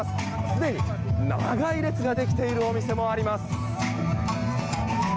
すでに長い列ができているお店もあります。